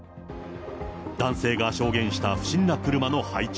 男性が証言した不審な車の配置。